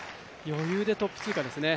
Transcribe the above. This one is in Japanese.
余裕でトップ通過ですね。